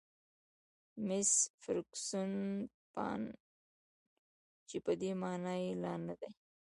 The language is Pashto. میس فرګوسن: 'pan encore' چې په دې مانا چې لا نه دي.